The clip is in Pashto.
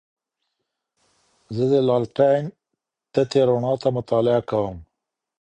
زه د لالټین تتې رڼا ته مطالعه کوم.